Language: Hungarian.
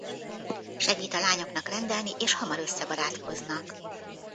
Segít a lányoknak rendelni és hamar összebarátkoznak.